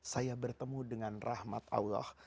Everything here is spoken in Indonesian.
saya bertemu dengan rahmat allah